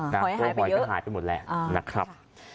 ตัวหอยก็หายไปหมดแล้วนะครับ